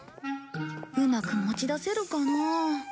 うまく持ち出せるかなあ。